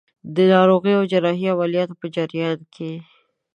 د ناروغۍ او جراحي عملیاتو په جریان کې.